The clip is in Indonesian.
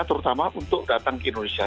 terutama untuk datang ke indonesia